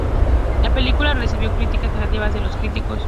La película recibió críticas negativas de los críticos.